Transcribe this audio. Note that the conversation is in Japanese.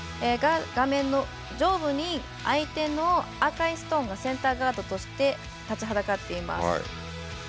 画面の上部に相手の赤いストーンがセンターガードとして立ちはだかっています。